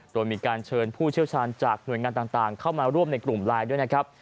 โดยมีการเชิญผู้เชี่ยวชาญจากหน่วยงานต่างเข้ามาร่วมในกลุ่มไลน์ด้วยนะครับ